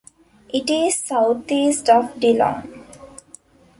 It is southeast of Dillon.